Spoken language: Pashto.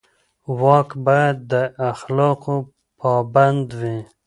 واک باید د اخلاقو پابند وي.